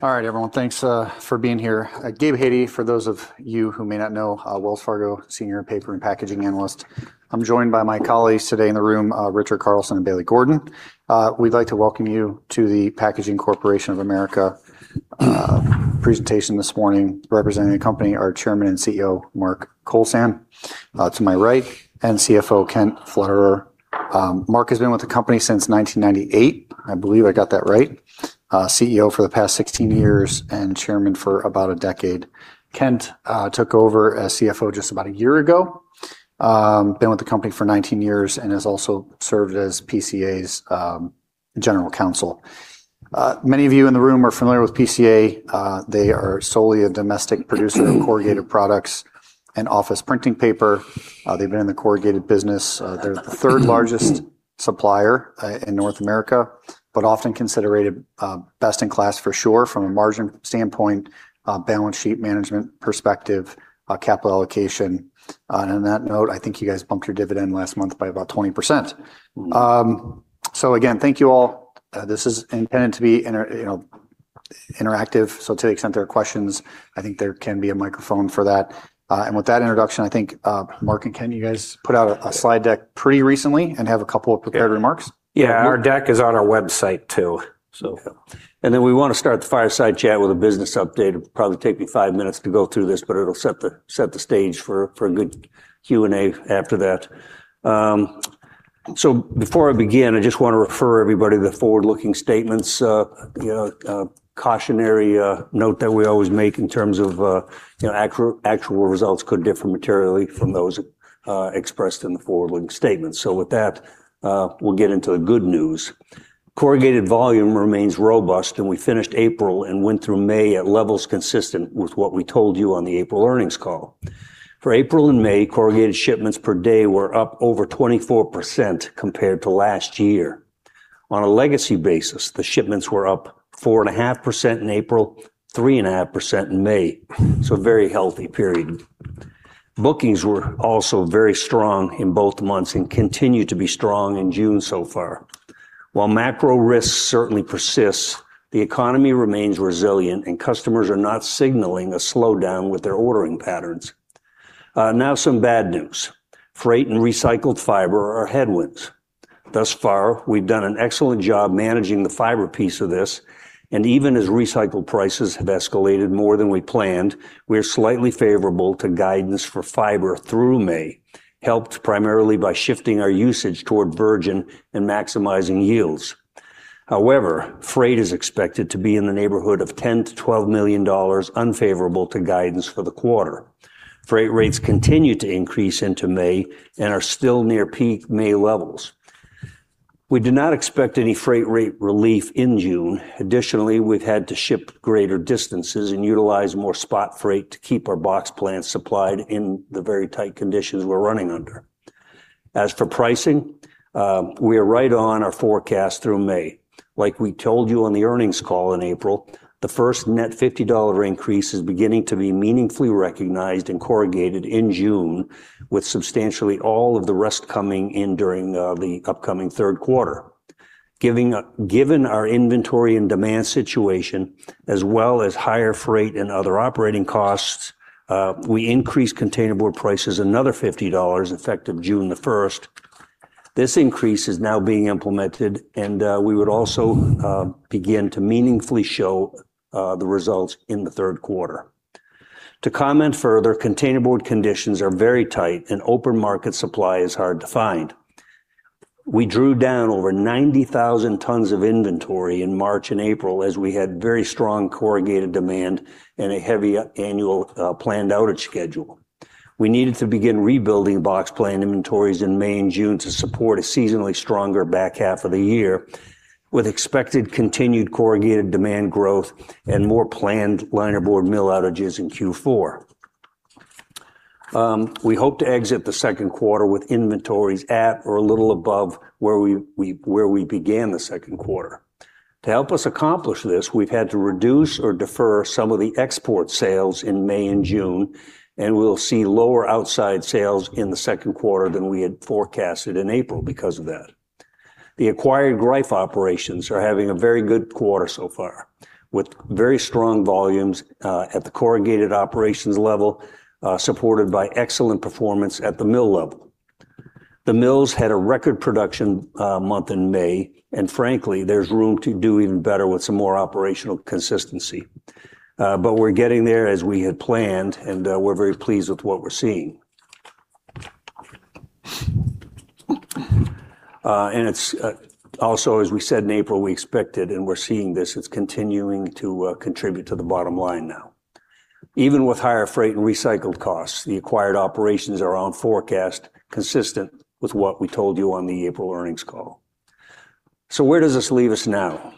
All right, everyone. Thanks for being here. Gabe Hajde, for those of you who may not know, Wells Fargo Senior Paper and Packaging Analyst. I'm joined by my colleagues today in the room, Richard Carlson and Bailey Gordon. We'd like to welcome you to the Packaging Corporation of America presentation this morning. Representing the company, our Chairman and CEO, Mark Kowlzan, to my right, and CFO, Kent Pflederer. Mark has been with the company since 1998. I believe I got that right. CEO for the past 16 years, and Chairman for about a decade. Kent took over as CFO just about a year ago. Been with the company for 19 years and has also served as PCA's General Counsel. Many of you in the room are familiar with PCA. They are solely a domestic producer of corrugated products and office printing paper. They've been in the corrugated business. They're the third-largest supplier in North America, often considered best-in-class for sure, from a margin standpoint, balance sheet management perspective, capital allocation. On that note, I think you guys bumped your dividend last month by about 20%. Again, thank you all. This is intended to be interactive, so to the extent there are questions, I think there can be a microphone for that. With that introduction, I think Mark and Kent, you guys put out a slide deck pretty recently and have a couple of prepared remarks. Yeah. Our deck is on our website, too. Okay. Then we want to start the fireside chat with a business update. It'll probably take me five minutes to go through this, it'll set the stage for a good Q&A after that. Before I begin, I just want to refer everybody to the forward-looking statements cautionary note that we always make in terms of actual results could differ materially from those expressed in the forward-looking statements. With that, we'll get into the good news. Corrugated volume remains robust, we finished April and went through May at levels consistent with what we told you on the April earnings call. For April and May, corrugated shipments per day were up over 24% compared to last year. On a legacy basis, the shipments were up 4.5% in April, 3.5% in May. A very healthy period. Bookings were also very strong in both months and continue to be strong in June so far. While macro risks certainly persist, the economy remains resilient, and customers are not signaling a slowdown with their ordering patterns. Now, some bad news. Freight and recycled fiber are headwinds. Thus far, we've done an excellent job managing the fiber piece of this, and even as recycled prices have escalated more than we planned, we're slightly favorable to guidance for fiber through May, helped primarily by shifting our usage toward virgin and maximizing yields. However, freight is expected to be in the neighborhood of $10 million-$12 million unfavorable to guidance for the quarter. Freight rates continued to increase into May and are still near peak May levels. We do not expect any freight rate relief in June. Additionally, we've had to ship greater distances and utilize more spot freight to keep our box plants supplied in the very tight conditions we're running under. As for pricing, we are right on our forecast through May. Like we told you on the earnings call in April, the first net $50 increase is beginning to be meaningfully recognized and corrugated in June, with substantially all of the rest coming in during the upcoming third quarter. Given our inventory and demand situation, as well as higher freight and other operating costs, we increased containerboard prices another $50, effective June the 1st, 2026. This increase is now being implemented, and we would also begin to meaningfully show the results in the third quarter. To comment further, containerboard conditions are very tight, and open market supply is hard to find. We drew down over 90,000 tons of inventory in March and April as we had very strong corrugated demand and a heavy annual planned outage schedule. We needed to begin rebuilding boxplant inventories in May and June to support a seasonally stronger back half of the year, with expected continued corrugated demand growth and more planned linerboard mill outages in Q4. We hope to exit the second quarter with inventories at or a little above where we began the second quarter. To help us accomplish this, we've had to reduce or defer some of the export sales in May and June, and we'll see lower outside sales in the second quarter than we had forecasted in April because of that. The acquired Greif operations are having a very good quarter so far, with very strong volumes at the corrugated operations level, supported by excellent performance at the mill level. The mills had a record production month in May, frankly, there's room to do even better with some more operational consistency. We're getting there as we had planned, and we're very pleased with what we're seeing. It's also, as we said in April, we expected, and we're seeing this, it's continuing to contribute to the bottom line now. Even with higher freight and recycled costs, the acquired operations are on forecast, consistent with what we told you on the April earnings call. Where does this leave us now?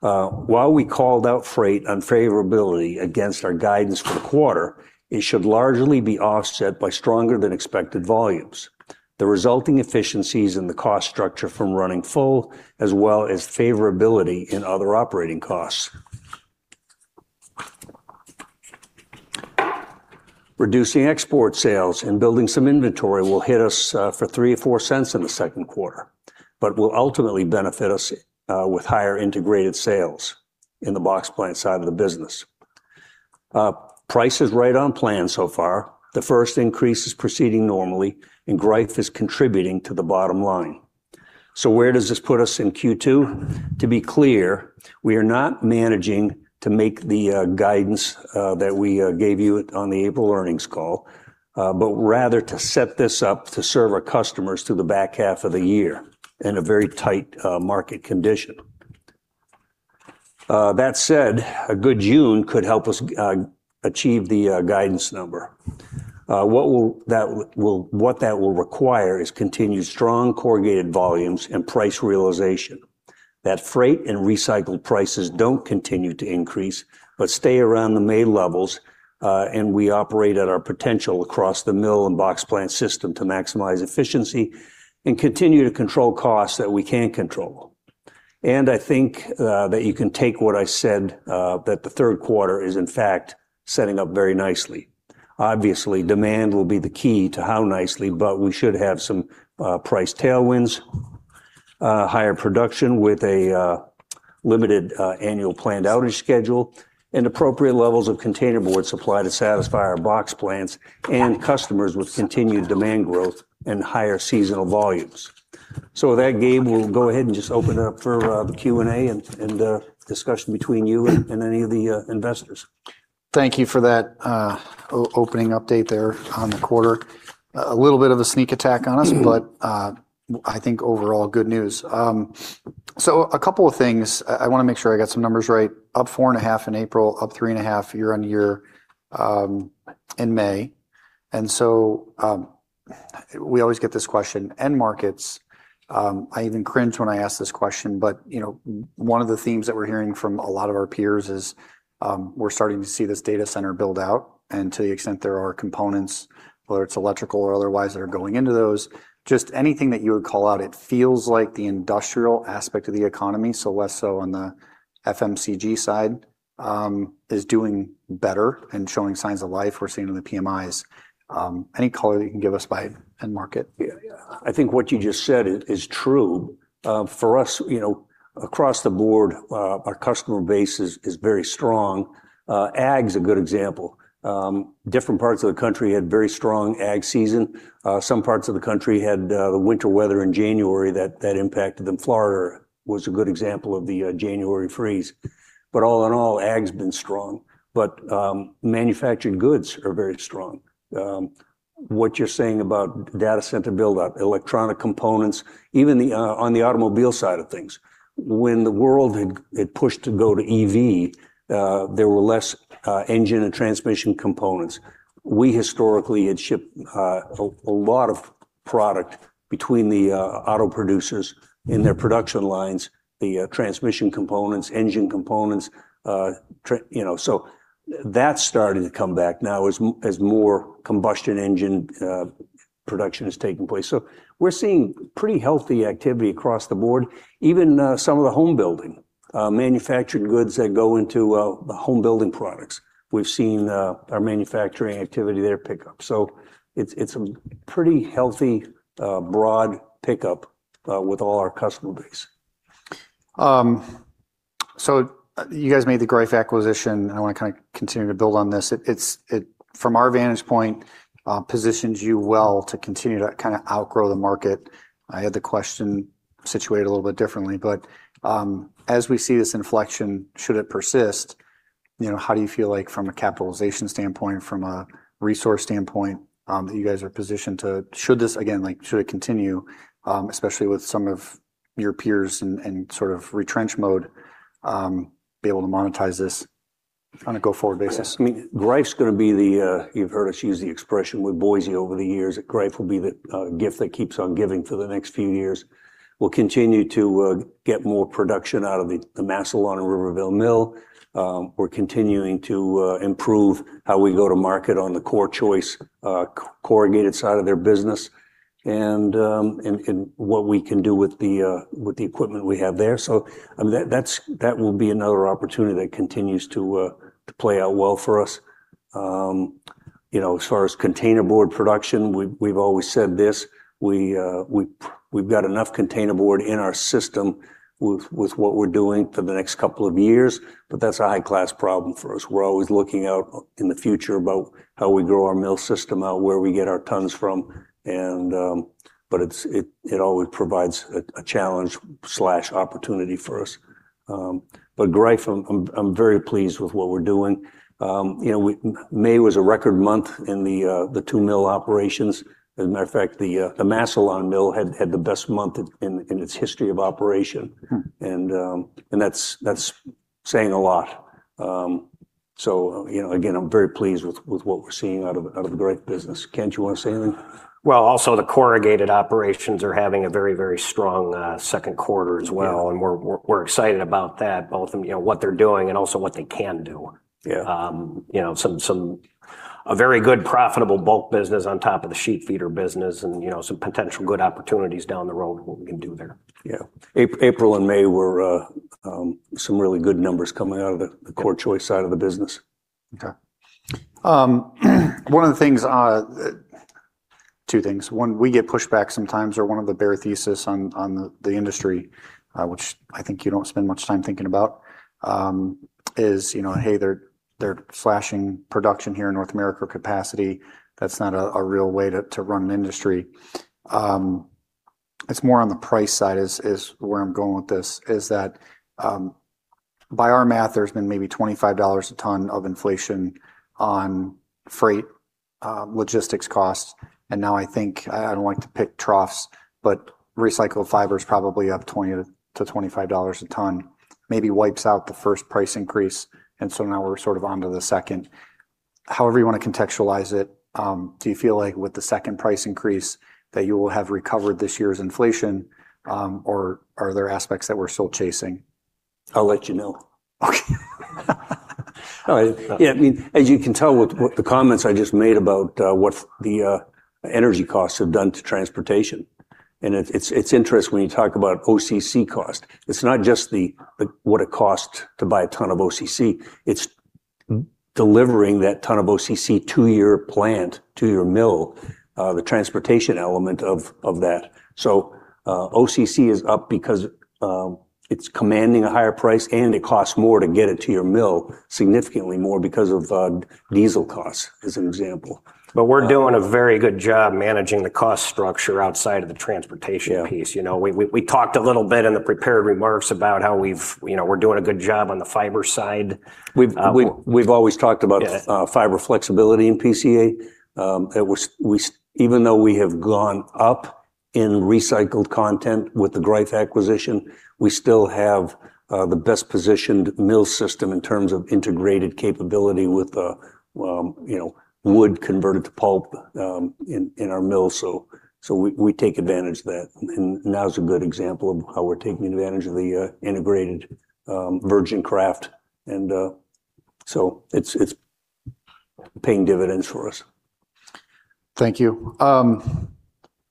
While we called out freight unfavorability against our guidance for the quarter, it should largely be offset by stronger-than-expected volumes, the resulting efficiencies in the cost structure from running full, as well as favorability in other operating costs. Reducing export sales and building some inventory will hit us for $0.03 or $0.04 in the second quarter, but will ultimately benefit us with higher integrated sales in the box plant side of the business. Price is right on plan so far. The first increase is proceeding normally, and Greif is contributing to the bottom line. Where does this put us in Q2? To be clear, we are not managing to make the guidance that we gave you on the April earnings call, but rather to set this up to serve our customers through the back half of the year in a very tight market condition. That said, a good June could help us achieve the guidance number. What that will require is continued strong corrugated volumes and price realization, that freight and recycled prices don't continue to increase but stay around the May levels, and we operate at our potential across the mill and box plant system to maximize efficiency and continue to control costs that we can control. I think that you can take what I said, that the third quarter is, in fact, setting up very nicely. Obviously, demand will be the key to how nicely, but we should have some price tailwinds, higher production with a limited annual planned outage schedule, and appropriate levels of containerboard supply to satisfy our box plants and customers with continued demand growth and higher seasonal volumes. With that, Gabe, we'll go ahead and just open it up for Q&A, and discussion between you and any of the investors. Thank you for that opening update there on the quarter. A little bit of a sneak attack on us, but I think overall good news. A couple of things. I want to make sure I got some numbers right. Up 4.5% in April, up 3.5% year-over-year in May. We always get this question, end markets. I even cringe when I ask this question, but one of the themes that we're hearing from a lot of our peers is we're starting to see this data center build-out, and to the extent there are components, whether it's electrical or otherwise, that are going into those, just anything that you would call out. It feels like the industrial aspect of the economy, so less so on the FMCG side, is doing better and showing signs of life. We're seeing it in the PMIs. Any color that you can give us by end market? Yeah. I think what you just said is true. For us, across the board, our customer base is very strong. Ag's a good example. Different parts of the country had very strong Ag season. Some parts of the country had the winter weather in January that impacted them. Florida was a good example of the January freeze. All in all, Ag's been strong. Manufactured goods are very strong. What you're saying about data center build-out, electronic components, even on the automobile side of things. When the world had pushed to go to EV, there were less engine and transmission components. We historically had shipped a lot of product between the auto producers in their production lines, the transmission components, engine components. That's starting to come back now as more combustion engine production is taking place. We're seeing pretty healthy activity across the board. Even some of the home building. Manufactured goods that go into the home building products. We've seen our manufacturing activity there pick up. It's a pretty healthy, broad pickup with all our customer base. You guys made the Greif acquisition, and I want to kind of continue to build on this. From our vantage point, it positions you well to continue to kind of outgrow the market. I had the question situated a little bit differently. As we see this inflection, should it persist, how do you feel like from a capitalization standpoint, from a resource standpoint, that you guys are positioned to, again, should it continue, especially with some of your peers in sort of retrench mode, be able to monetize this on a go-forward basis? Yeah. Greif's going to be the You've heard us use the expression with Boise over the years, that Greif will be the gift that keeps on giving for the next few years. We'll continue to get more production out of the Massillon and Riverville mill. We're continuing to improve how we go to market on the CorrChoice corrugated side of their business, and what we can do with the equipment we have there. That will be another opportunity that continues to play out well for us. As far as containerboard production, we've always said this, we've got enough containerboard in our system with what we're doing for the next couple of years, but that's a high-class problem for us. We're always looking out in the future about how we grow our mill system out, where we get our tons from. It always provides a challenge/opportunity for us. Greif, I'm very pleased with what we're doing. May was a record month in the two mill operations. As a matter of fact, the Massillon mill had the best month in its history of operation. That's saying a lot. Again, I'm very pleased with what we're seeing out of the Greif business. Kent, you want to say anything? Well, also the corrugated operations are having a very strong second quarter as well. Yeah. We're excited about that. Both what they're doing and also what they can do. Yeah. A very good profitable bulk business on top of the sheet feeder business, and some potential good opportunities down the road what we can do there. Yeah. April and May were some really good numbers coming out of the Core Choice side of the business. Okay. Two things. One, we get pushback sometimes or one of the bear thesis on the industry, which I think you don't spend much time thinking about, is, "Hey, they're slashing production here in North America capacity. That's not a real way to run an industry." It's more on the price side is where I'm going with this, is that by our math, there's been maybe $25 a ton of inflation on freight, logistics costs. Now I think, I don't like to pick troughs, but recycled fiber is probably up $20-$25 a ton, maybe wipes out the first price increase, so now we're sort of onto the second. However you want to contextualize it, do you feel like with the second price increase that you will have recovered this year's inflation? Or are there aspects that we're still chasing? I'll let you know. Okay. Yeah. As you can tell with the comments I just made about what the energy costs have done to transportation, it's interesting when you talk about OCC cost. It's not just what it costs to buy a ton of OCC, it's delivering that ton of OCC to your plant, to your mill, the transportation element of that. OCC is up because it's commanding a higher price and it costs more to get it to your mill, significantly more because of diesel costs as an example. We're doing a very good job managing the cost structure outside of the transportation piece. Yeah. We talked a little bit in the prepared remarks about how we're doing a good job on the fiber side. We've always talked about. Yeah. Fiber flexibility in PCA. Even though we have gone up in recycled content with the Greif acquisition, we still have the best-positioned mill system in terms of integrated capability with wood converted to pulp in our mills. We take advantage of that, and now is a good example of how we're taking advantage of the integrated virgin kraft. It's paying dividends for us. Thank you.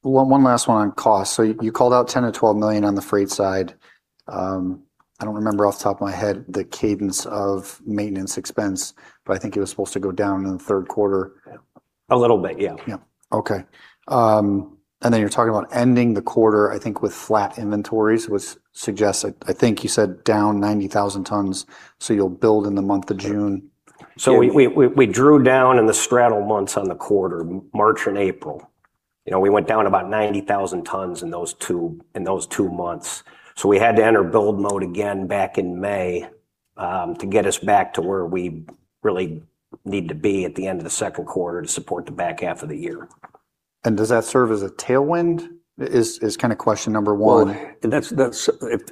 One last one on cost. You called out $10 million-$12 million on the freight side. I don't remember off the top of my head the cadence of maintenance expense, but I think it was supposed to go down in the third quarter. Yeah. A little bit, yeah. Yeah. Okay. Then you're talking about ending the quarter, I think, with flat inventories, which suggests, I think you said down 90,000 tons, so you'll build in the month of June? We drew down in the straddle months on the quarter, March and April. We went down about 90,000 tons in those two months. We had to enter build mode again back in May to get us back to where we really need to be at the end of the second quarter to support the back half of the year. Does that serve as a tailwind? Is kind of question number one. Well,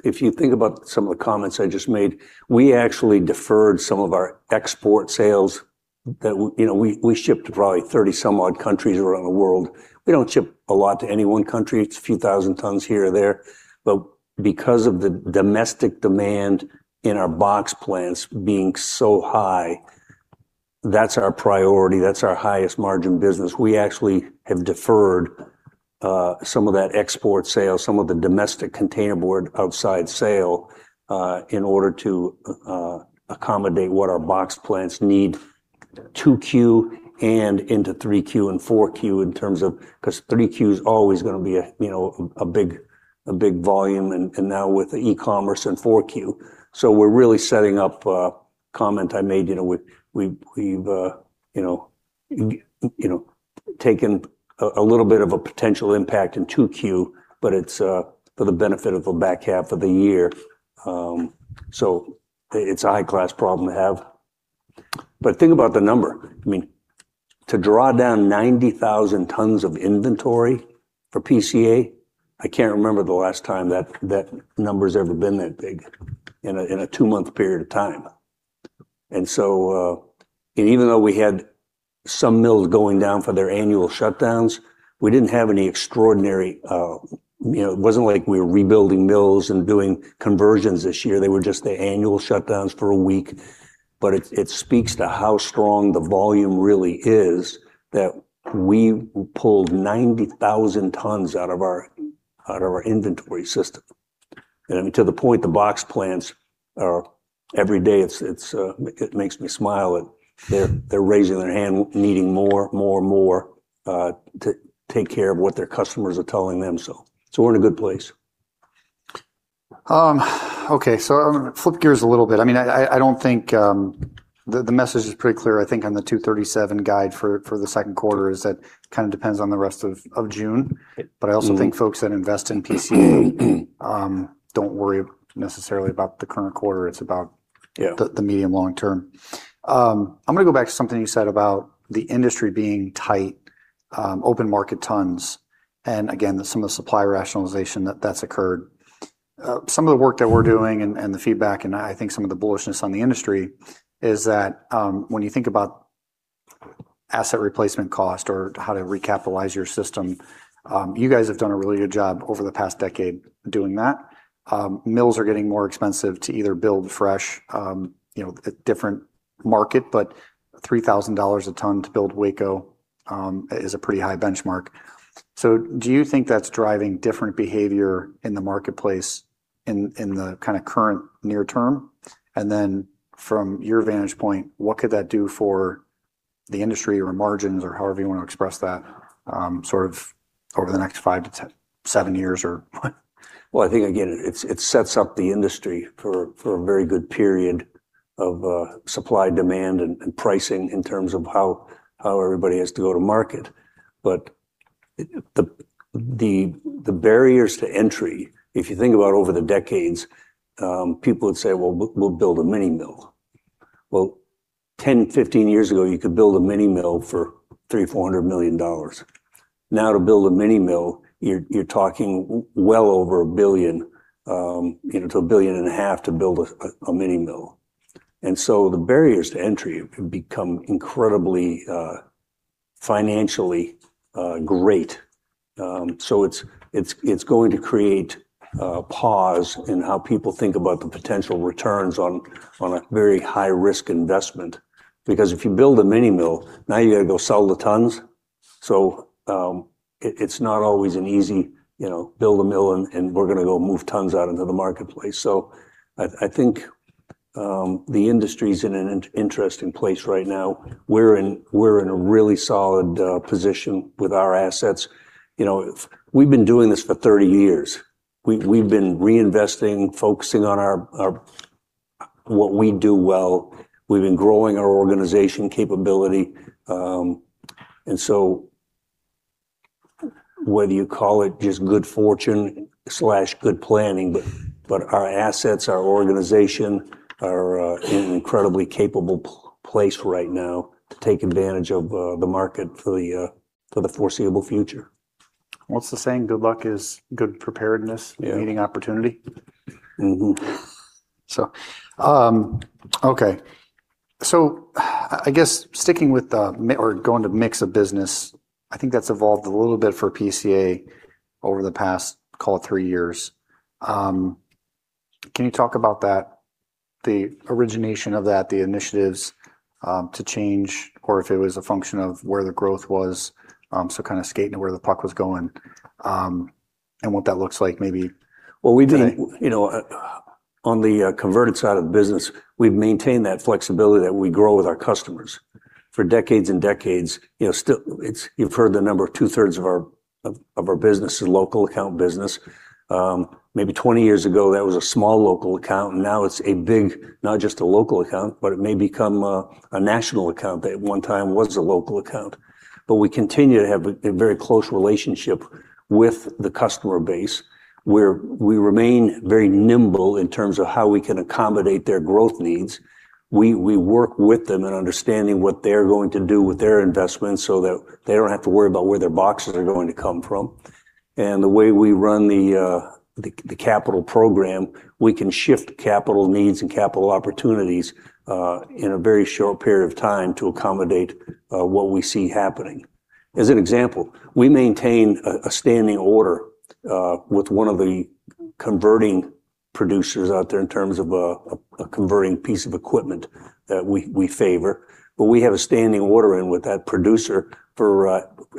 if you think about some of the comments I just made, we actually deferred some of our export sales. We ship to probably 30 some odd countries around the world. We don't ship a lot to any one country. It's a few thousand tons here or there. Because of the domestic demand in our box plants being so high, that's our priority. That's our highest margin business. We actually have deferred some of that export sale, some of the domestic containerboard outside sale, in order to accommodate what our box plants need 2Q and into 3Q and 4Q in terms of, because 3Q is always going to be a big volume, and now with the e-commerce and 4Q. We're really setting up a comment I made. We've taken a little bit of a potential impact in 2Q, but it's for the benefit of the back half of the year. It's a high-class problem to have. Think about the number. To draw down 90,000 tons of inventory for PCA, I can't remember the last time that number's ever been that big in a two-month period of time. Even though we had some mills going down for their annual shutdowns, we didn't have any. It wasn't like we were rebuilding mills and doing conversions this year. They were just the annual shutdowns for a week. It speaks to how strong the volume really is that we pulled 90,000 tons out of our inventory system. To the point the box plants are every day, it makes me smile that they're raising their hand, needing more to take care of what their customers are telling them. We're in a good place. Okay. I'm going to flip gears a little bit. The message is pretty clear, I think on the 237 guide for the second quarter is that kind of depends on the rest of June. Yeah. I also think folks that invest in PCA don't worry necessarily about the current quarter. Yeah. The medium long term. I'm going to go back to something you said about the industry being tight, open market tons, and again, some of the supply rationalization that's occurred. Some of the work that we're doing and the feedback, and I think some of the bullishness on the industry is that, when you think about asset replacement cost or how to recapitalize your system, you guys have done a really good job over the past decade doing that. Mills are getting more expensive to either build fresh, a different market, but $3,000 a ton to build Waco is a pretty high benchmark. Do you think that's driving different behavior in the marketplace in the kind of current near term? From your vantage point, what could that do for the industry or margins or however you want to express that sort of over the next five to seven years or? Well, I think again, it sets up the industry for a very good period of supply, demand, and pricing in terms of how everybody has to go to market. The barriers to entry, if you think about over the decades, people would say, "Well, we'll build a mini mill." Well, 10, 15 years ago, you could build a mini mill for $300 million, $400 million. Now to build a mini mill, you're talking well over a billion, to a billion and a half to build a mini mill. The barriers to entry have become incredibly financially great. It's going to create a pause in how people think about the potential returns on a very high-risk investment. Because if you build a mini mill, now you've got to go sell the tons. It's not always an easy build a mill and we're going to go move tons out into the marketplace. I think the industry's in an interesting place right now. We're in a really solid position with our assets. We've been doing this for 30 years. We've been reinvesting, focusing on what we do well. We've been growing our organization capability. Whether you call it just good fortune/good planning, but our assets, our organization are in an incredibly capable place right now to take advantage of the market for the foreseeable future. What's the saying? Good luck is good preparedness. Yeah. Meeting opportunity. Okay. I guess going to mix of business, I think that's evolved a little bit for PCA over the past, call it, three years. Can you talk about that, the origination of that, the initiatives to change, or if it was a function of where the growth was, so kind of skating to where the puck was going, and what that looks like maybe today? Well, on the converted side of the business, we've maintained that flexibility that we grow with our customers. For decades and decades, you've heard the number two-thirds of our business is local account business. Maybe 20 years ago, that was a small local account, and now it's a big, not just a local account, but it may become a national account that at one time was a local account. We continue to have a very close relationship with the customer base, where we remain very nimble in terms of how we can accommodate their growth needs. We work with them in understanding what they're going to do with their investments so that they don't have to worry about where their boxes are going to come from. The way we run the capital program, we can shift capital needs and capital opportunities in a very short period of time to accommodate what we see happening. As an example, we maintain a standing order with one of the converting producers out there in terms of a converting piece of equipment that we favor. We have a standing order in with that producer for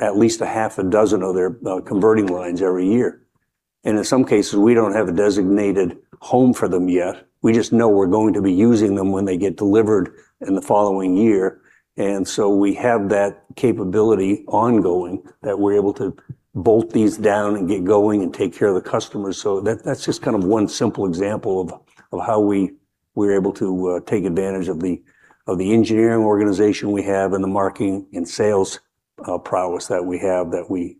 at least a half a dozen of their converting lines every year. In some cases, we don't have a designated home for them yet. We just know we're going to be using them when they get delivered in the following year. We have that capability ongoing that we're able to bolt these down and get going and take care of the customers. That's just kind of one simple example of how we're able to take advantage of the engineering organization we have and the marketing and sales prowess that we have that we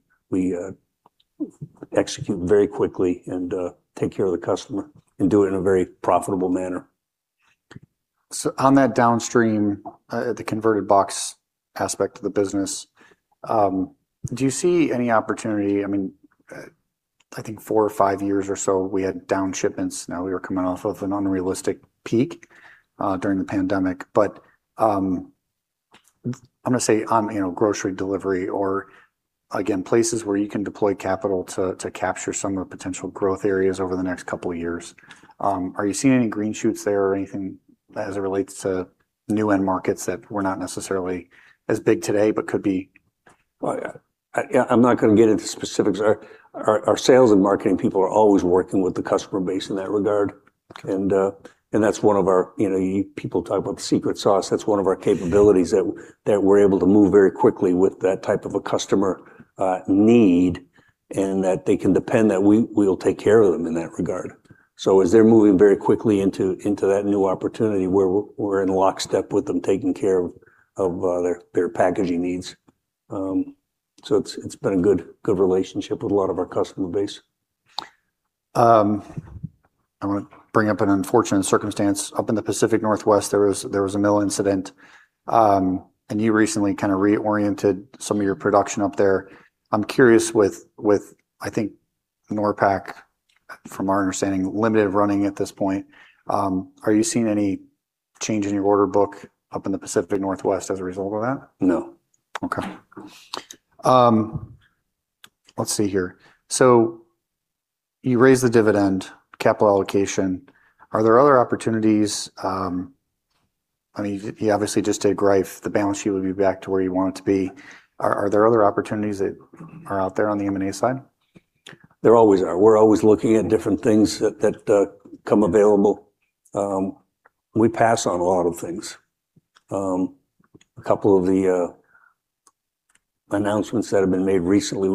execute very quickly and take care of the customer and do it in a very profitable manner. On that downstream, the converted box aspect of the business, do you see any opportunity, I think four or five years or so ago, we had down shipments. Now we were coming off of an unrealistic peak during the pandemic. I'm going to say on grocery delivery or again, places where you can deploy capital to capture some of the potential growth areas over the next couple of years. Are you seeing any green shoots there or anything as it relates to new end markets that were not necessarily as big today, but could be? Well, yeah. I'm not going to get into specifics. Our sales and marketing people are always working with the customer base in that regard. Okay. That's one of our, you know, you people talk about the secret sauce, that's one of our capabilities that we're able to move very quickly with that type of a customer need, and that they can depend that we will take care of them in that regard. As they're moving very quickly into that new opportunity, we're in lockstep with them, taking care of their packaging needs. It's been a good relationship with a lot of our customer base. I want to bring up an unfortunate circumstance. Up in the Pacific Northwest, there was a mill incident, and you recently kind of reoriented some of your production up there. I'm curious with, I think, NORPAC, from our understanding, limited running at this point. Are you seeing any change in your order book up in the Pacific Northwest as a result of that? No. Okay. Let's see here. You raised the dividend, capital allocation. Are there other opportunities, I mean, you obviously just did Greif. The balance sheet will be back to where you want it to be. Are there other opportunities that are out there on the M&A side? There always are. We're always looking at different things that come available. We pass on a lot of things. A couple of the announcements that have been made recently,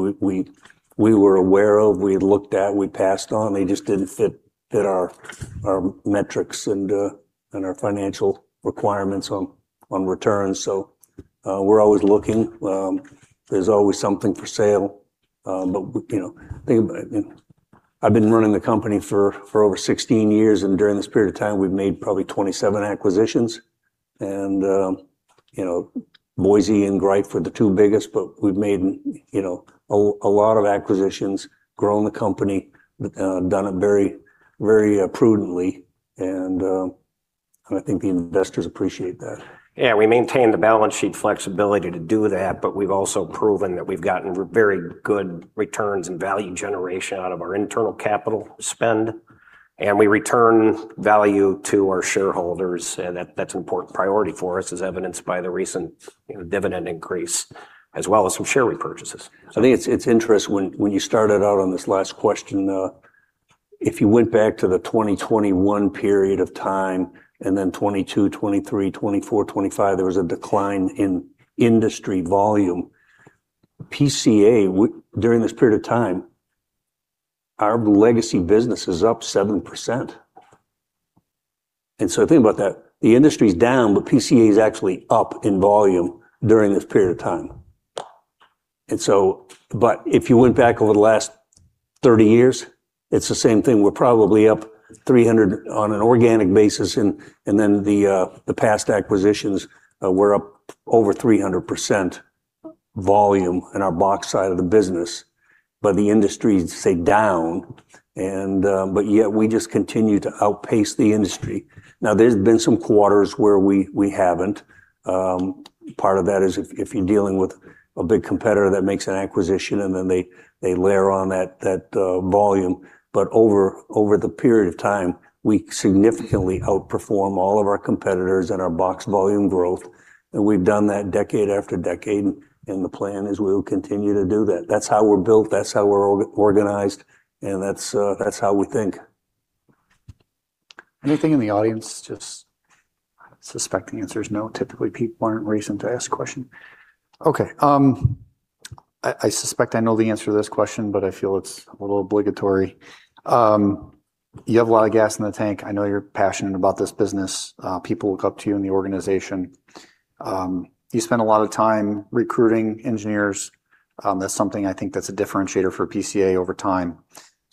we were aware of, we had looked at, we passed on. They just didn't fit our metrics and our financial requirements on returns. We're always looking. There's always something for sale. Think about it, I've been running the company for over 16 years, and during this period of time, we've made probably 27 acquisitions. Boise and Greif were the two biggest. We've made a lot of acquisitions, grown the company, but done it very prudently, and I think the investors appreciate that. Yeah, we maintain the balance sheet flexibility to do that, but we've also proven that we've gotten very good returns and value generation out of our internal capital spend, and we return value to our shareholders. That's an important priority for us, as evidenced by the recent dividend increase, as well as some share repurchases. I think it's interesting when you started out on this last question. If you went back to the 2021 period of time, then 2022, 2023, 2024, 2025, there was a decline in industry volume. PCA, during this period of time, our legacy business is up 7%. Think about that. The industry's down, but PCA is actually up in volume during this period of time. If you went back over the last 30 years, it's the same thing. We're probably up 300% on an organic basis. Then the past acquisitions, we're up over 300% volume in our box side of the business. The industry, say, down, but yet we just continue to outpace the industry. Now, there's been some quarters where we haven't. Part of that is if you're dealing with a big competitor that makes an acquisition, then they layer on that volume. Over the period of time, we significantly outperform all of our competitors in our box volume growth, and we've done that decade after decade. The plan is we will continue to do that. That's how we're built, that's how we're organized, and that's how we think. Anything in the audience? Just suspecting the answer is no. Typically, people aren't raising to ask a question. Okay. I suspect I know the answer to this question, but I feel it's a little obligatory. You have a lot of gas in the tank. I know you're passionate about this business. People look up to you in the organization. You spend a lot of time recruiting engineers. That's something I think that's a differentiator for PCA over time.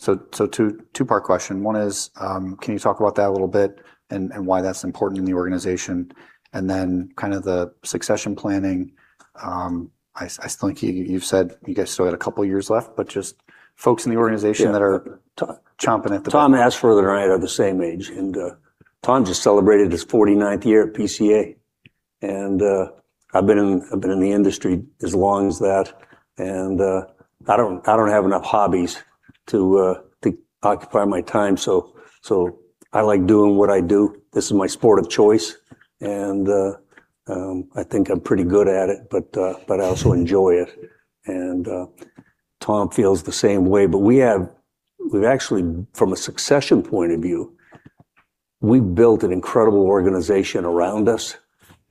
Two-part question. One is, can you talk about that a little bit and why that's important in the organization? Then kind of the succession planning. I think you've said you guys still had a couple of years left, but just folks in the organization that are. Tom Hassfurther and I are the same age, Tom just celebrated his 49th year at PCA. I've been in the industry as long as that, I don't have enough hobbies to occupy my time. I like doing what I do. This is my sport of choice, I think I'm pretty good at it. I also enjoy it, Tom feels the same way. Actually, from a succession point of view, we built an incredible organization around us,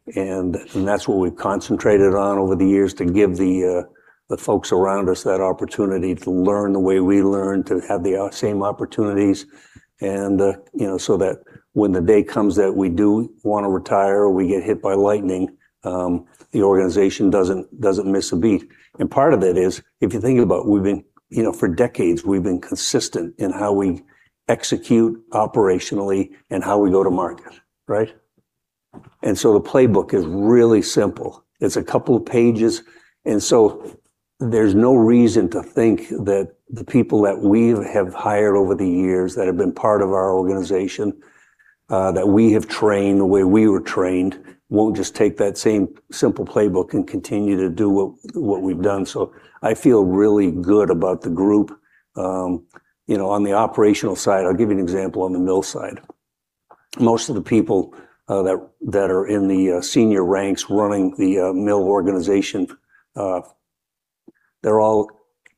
that's what we've concentrated on over the years to give the folks around us that opportunity to learn the way we learned, to have the same opportunities. That when the day comes that we do want to retire or we get hit by lightning, the organization doesn't miss a beat. Part of it is, if you think about it, for decades, we've been consistent in how we execute operationally and how we go to market. Right? The playbook is really simple. It's a couple of pages, there's no reason to think that the people that we have hired over the years, that have been part of our organization, that we have trained the way we were trained, won't just take that same simple playbook and continue to do what we've done. I feel really good about the group. On the operational side, I'll give you an example on the mill side. Most of the people that are in the senior ranks running the mill organization, they're all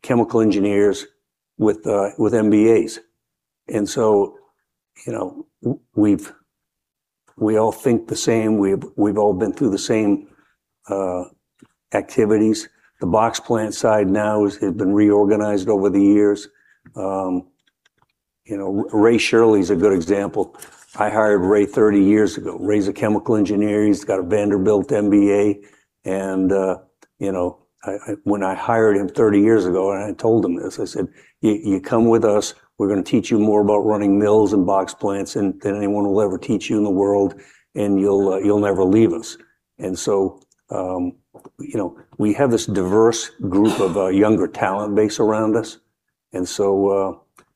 chemical engineers with MBAs. We all think the same. We've all been through the same activities. The box plant side now has been reorganized over the years. Ray Shirley is a good example. I hired Ray 30 years ago. Ray's a chemical engineer. He's got a Vanderbilt MBA. When I hired him 30 years ago, I told him this, I said, "You come with us, we're going to teach you more about running mills and box plants than anyone will ever teach you in the world, and you'll never leave us." We have this diverse group of younger talent base around us,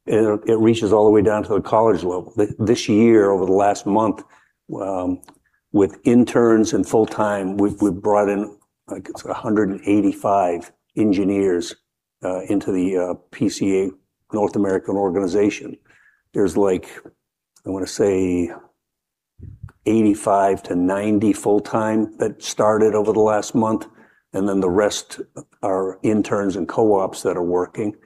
it reaches all the way down to the college level. This year, over the last month, with interns and full-time, we've brought in, like, it's 185 engineers into the PCA North American organization. There's, I want to say, 85-90 full-time that started over the last month, then the rest are interns and co-ops that are working.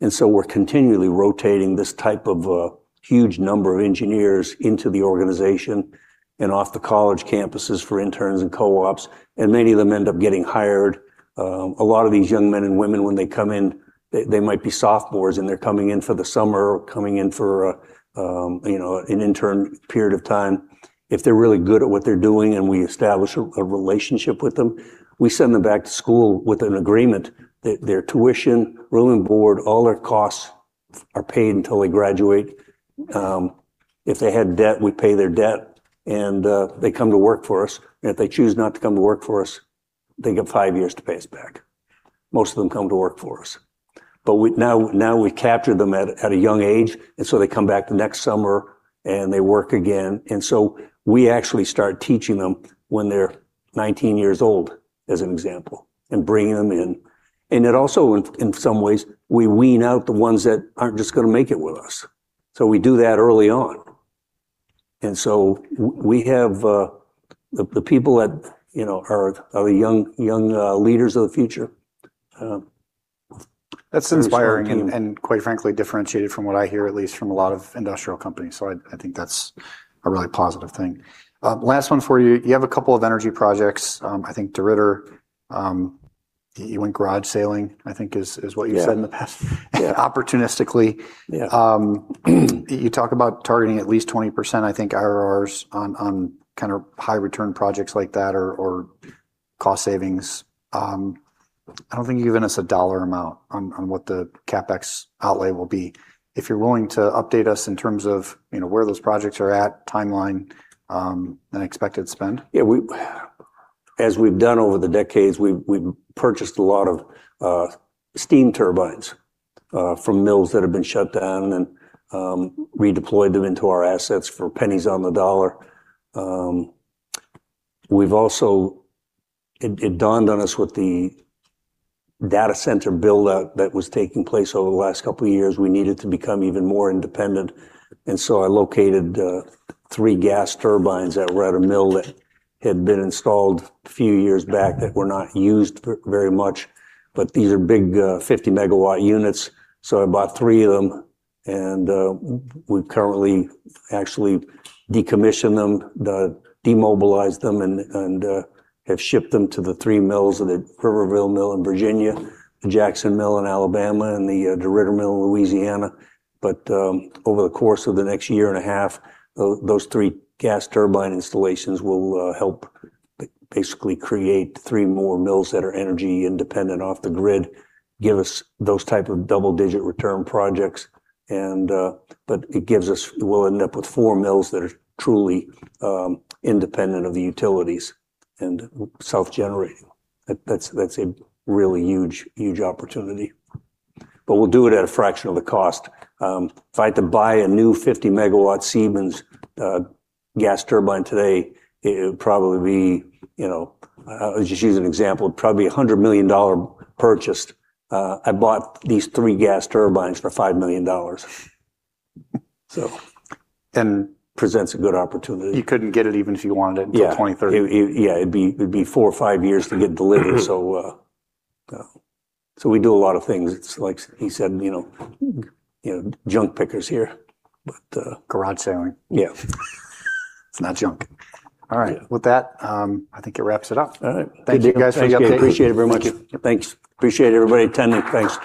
We're continually rotating this type of a huge number of engineers into the organization and off the college campuses for interns and co-ops, many of them end up getting hired. A lot of these young men and women, when they come in, they might be sophomores, they're coming in for the summer or coming in for an intern period of time. If they're really good at what they're doing and we establish a relationship with them, we send them back to school with an agreement that their tuition, room and board, all their costs are paid until they graduate. If they had debt, we pay their debt, they come to work for us. If they choose not to come to work for us, they get five years to pay us back. Most of them come to work for us. Now we capture them at a young age, they come back the next summer, and they work again. We actually start teaching them when they're 19 years old, as an example, and bringing them in. It also in some ways, we wean out the ones that aren't just going to make it with us. We do that early on. We have the people that are the young leaders of the future. That's inspiring and quite frankly, differentiated from what I hear, at least from a lot of industrial companies. I think that's a really positive thing. Last one for you. You have a couple of energy projects. I think DeRidder, you went garage saling, I think is what you said in the past. Yeah. Opportunistically. Yeah. You talk about targeting at least 20%, I think, IRRs on kind of high return projects like that or cost savings. I don't think you've given us a dollar amount on what the CapEx outlay will be. If you're willing to update us in terms of where those projects are at, timeline, and expected spend? Yeah. As we've done over the decades, we've purchased a lot of steam turbines from mills that have been shut down and redeployed them into our assets for pennies on the dollar. It dawned on us with the data center build-out that was taking place over the last couple of years, we needed to become even more independent, I located three gas turbines at a mill that had been installed a few years back that were not used very much. These are big 50 MW units. I bought three of them, and we've currently actually decommissioned them, demobilized them, and have shipped them to the three mills, the Riverville mill in Virginia, the Jackson mill in Alabama, and the DeRidder mill in Louisiana. Over the course of the next year and a half, those three gas turbine installations will help basically create three more mills that are energy independent off the grid, give us those type of double-digit return projects. We'll end up with four mills that are truly independent of the utilities and self-generating. That's a really huge opportunity. We'll do it at a fraction of the cost. If I had to buy a new 50 MW Siemens gas turbine today, it would probably be, just use an example, probably $100 million purchase. I bought these three gas turbines for $5 million. And. Presents a good opportunity. You couldn't get it even if you wanted it until 2030. Yeah. It'd be four or five years to get delivered. We do a lot of things. It's like he said, junk pickers here. Garage saling. Yeah. It's not junk. All right. With that, I think it wraps it up. All right. Good. Thank you, guys, for the update. Appreciate it very much. Thank you. Thanks. Appreciate everybody attending. Thanks.